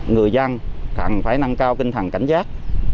người dân cần phải nâng cao tinh thần cảnh giác